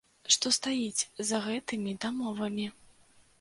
Што стаіць за гэтымі дамовамі?